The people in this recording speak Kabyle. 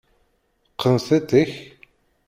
Qqen tiṭ-ik!